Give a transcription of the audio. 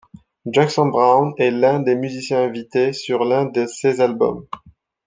Jackson Browne est l'un des musiciens invités sur l'un de ses albums.